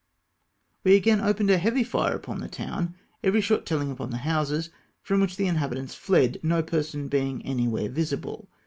We again opened a heavy fire upon the town, every shot telhng upon the houses, from which the inhabitants fled, no person being anywhere visible.